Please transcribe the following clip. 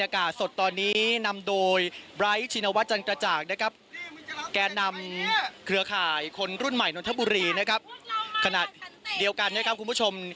ขนาดเดียวกันนะครับคุณผู้ชม